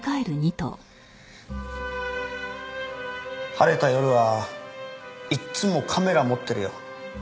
晴れた夜はいっつもカメラ持ってるよ。